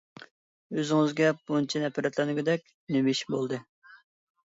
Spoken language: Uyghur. ئۆزىڭىزگە بۇنچە نەپرەتلەنگۈدەك نېمە ئىش بولدى؟